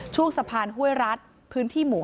ช่วงสะพานห้วยรัฐพื้นที่หมู่๕